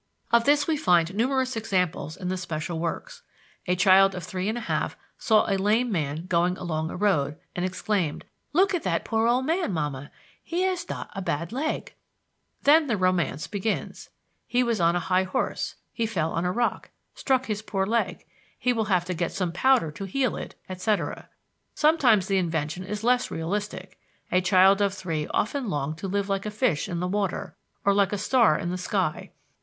Of this we find numerous examples in the special works. A child of three and a half saw a lame man going along a road, and exclaimed: "Look at that poor ole man, mamma, he has dot [got] a bad leg." Then the romance begins: He was on a high horse; he fell on a rock, struck his poor leg; he will have to get some powder to heal it, etc. Sometimes the invention is less realistic. A child of three often longed to live like a fish in the water, or like a star in the sky.